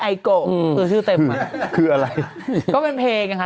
ไอโก่คือชื่อเต็มคืออะไรก็เป็นเพลงค่ะ